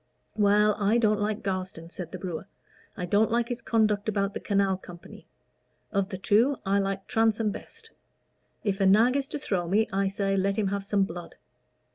"Well, I don't like Garstin," said the brewer. "I didn't like his conduct about the Canal Company. Of the two, I like Transome best. If a nag is to throw me, I say, let him have some blood."